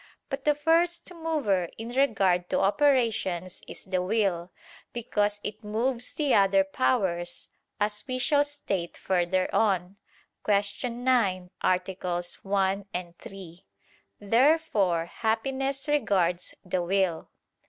But the first mover in regard to operations is the will: because it moves the other powers, as we shall state further on (Q. 9, AA. 1, 3). Therefore happiness regards the will.